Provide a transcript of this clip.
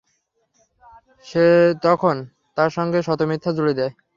সে তখন তার সঙ্গে শত মিথ্যা জুড়ে দেয়।